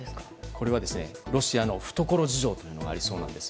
これは、ロシアの懐事情というのがありそうなんです。